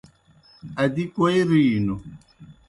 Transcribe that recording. ادی کوئے رِینوْ؟